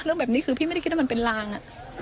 เรื่องแบบนี้คือพี่ไม่ได้คิดว่ามันเป็นลางอ่ะ